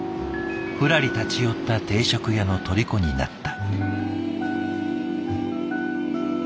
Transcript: ふらり立ち寄った定食屋のとりこになった。